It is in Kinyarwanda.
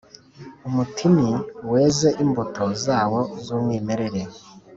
Umutini weze imbuto zawo z’umwimambere